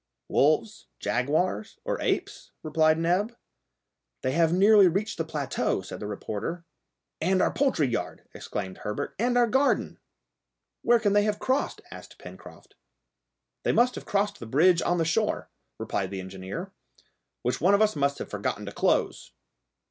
"Wolves, jaguars, or apes?" replied Neb. "They have nearly reached the plateau," said the reporter. "And our poultry yard," exclaimed Herbert, "and our garden!" "Where can they have crossed?" asked Pencroft. "They must have crossed the bridge on the shore," replied the engineer, "which one of us must have forgotten to close."